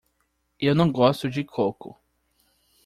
Eu não gosto de coco.